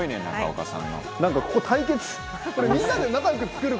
なんかここ対決。